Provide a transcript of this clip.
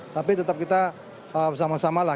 tapi tetap kita bersama sama lah